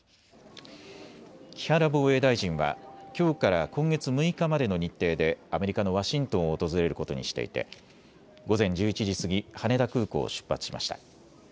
木原防衛大臣はきょうから今月６日までの日程でアメリカのワシントンを訪れることにしていて午前１１時過ぎ羽田空港を出発しました。